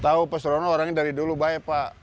tahu pak sarono orangnya dari dulu baik pak